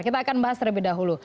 kita akan bahas terlebih dahulu